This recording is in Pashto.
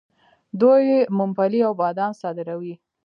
دوی ممپلی او بادام صادروي.